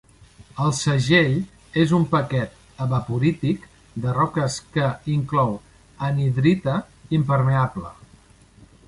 El segell és un paquet evaporític de roques que inclou anhidrita impermeable.